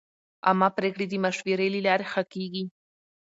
عامه پریکړې د مشورې له لارې ښه کېږي.